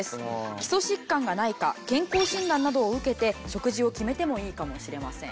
基礎疾患がないか健康診断などを受けて食事を決めてもいいかもしれません。